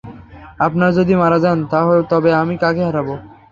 আপনি যদি মারা যান, তবে আমি কাকে হারাবো?